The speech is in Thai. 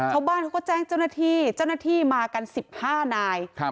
ชาวบ้านเขาก็แจ้งเจ้าหน้าที่เจ้าหน้าที่มากัน๑๕นาย